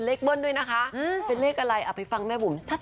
โอ้โหยังฟังชัด